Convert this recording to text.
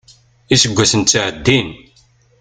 Iseggasen ttɛeddin.